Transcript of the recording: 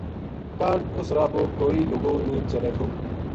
کاہڈ اُس راہ پو کوئی لُگو نیہہ چلے تھو